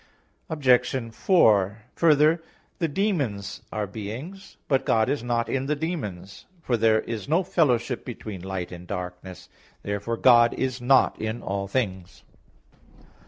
Obj. 4: Further, the demons are beings. But God is not in the demons; for there is no fellowship between light and darkness (2 Cor. 6:14). Therefore God is not in all things.